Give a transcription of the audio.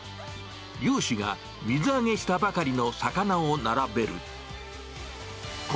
漁師が水揚げしたばかりの魚を並べる。